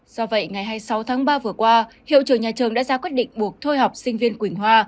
do vậy ngày hai mươi sáu tháng ba vừa qua hiệu trưởng nhà trường đã ra quyết định buộc thôi học sinh viên quỳnh hoa